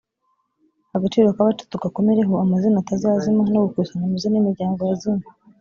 agaciro k’abacu tugakomereho amazina atazazima no gukusanya amazina y’imiryango yazimye